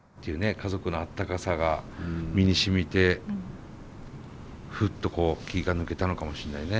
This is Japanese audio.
家族のあったかさが身にしみてふっとこう気が抜けたのかもしんないね。